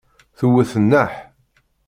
Tewwet nneḥ.